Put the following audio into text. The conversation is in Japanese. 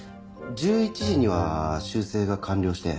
１１時には修正が完了して。